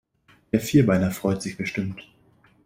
Der Vierbeiner freut sich bestimmt.